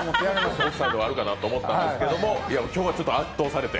オフサイドかあるかなと思ったんですけど、今日は圧倒されて。